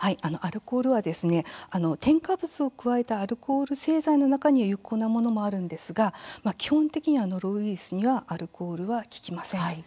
アルコールは添加物を加えたアルコール製剤の中には有効なものもありますが基本的にはノロウイルスにはアルコールは効きません。